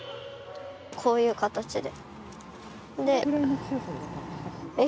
こういう形で。